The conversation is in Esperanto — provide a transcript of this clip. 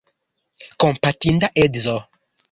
Kompatinda edzo!